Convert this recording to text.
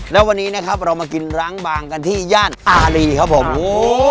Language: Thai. แล้ววันนี้นะครับเรามากินร้างบางกันที่ย่านอารีครับผม